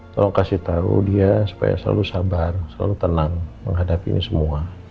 tolong kasih tahu dia supaya selalu sabar selalu tenang menghadapi ini semua